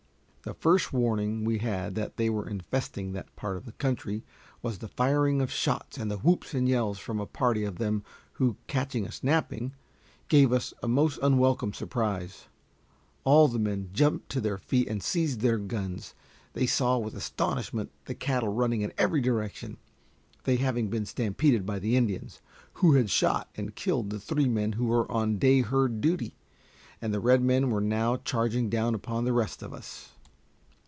The first warning we had that they were infesting that part of the country was the firing of shots and the whoops and yells from a party of them, who, catching us napping, gave us a most unwelcome surprise. All the men jumped to their feet and seized their guns. They saw with astonishment the cattle running in every direction, they having been stampeded by the Indians, who had shot and killed the three men who were on day herd duty, and the redmen were now charging down upon the rest of us.